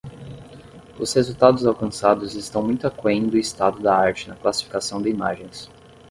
Os resultados alcançados estão muito aquém do estado da arte na classificação de imagens.